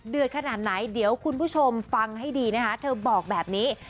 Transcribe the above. ขนาดไหนเดี๋ยวคุณผู้ชมฟังให้ดีนะคะเธอบอกแบบนี้